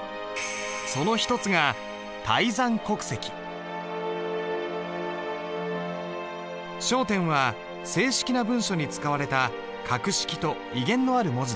その一つが小篆は正式な文書に使われた格式と威厳のある文字だ。